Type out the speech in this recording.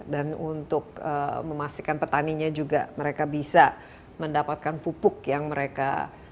dan untuk memastikan petaninya juga mereka bisa mendapatkan pupuk yang mereka